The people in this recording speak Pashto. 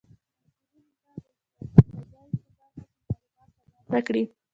محصلین به د قابله ګۍ په برخه کې معلومات ترلاسه کړي.